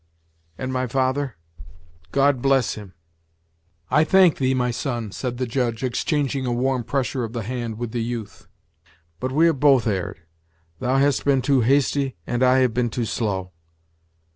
"And my father " "God bless him!" "I thank thee, my son," said the Judge, exchanging a warm pressure of the hand with the youth; "but we have both erred: thou hast been too hasty, and I have been too slow.